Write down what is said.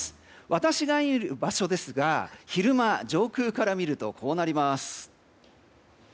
私がいる場所ですが昼間、上空から見るとこうなります。